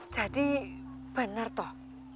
jadi bener toh